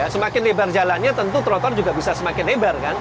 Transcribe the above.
semakin lebar jalannya tentu trotoar juga bisa semakin lebar